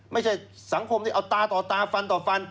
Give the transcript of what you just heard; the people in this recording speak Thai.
ไม่ใช่สังคมที่เอาตาต่อตาฟันต่อฟัน